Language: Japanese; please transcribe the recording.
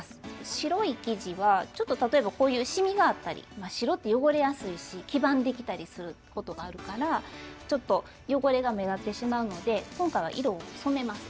白い生地はちょっと例えばこういうシミがあったり白って汚れやすいし黄ばんできたりすることがあるからちょっと汚れが目立ってしまうので今回は色を染めます。